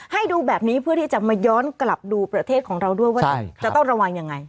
ให้ดูแบบนี้เพื่อที่จะมาย้อนกลับดูประเทศของเราด้วยว่าจะต้องระวังยังไง